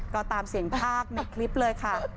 ก็ตามเสียงภาคในคลิปเลยค่ะ